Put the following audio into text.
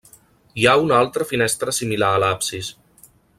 Hi ha una altra finestra similar a l'absis.